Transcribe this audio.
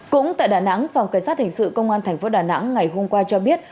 cũng tại đà nẵng phòng cảnh sát hình sự công an tp đà nẵng ngày hôm qua cho biết